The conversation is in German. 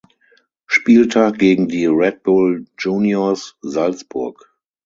Spieltag gegen die Red Bull Juniors Salzburg.